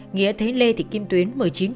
nghĩa thấy lê thị kim tuyến